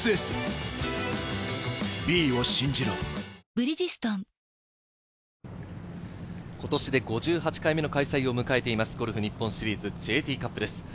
残り１日、可能性がゼロではない今年で５８回目の開催を迎えています、ゴルフ日本シリーズＪＴカップです。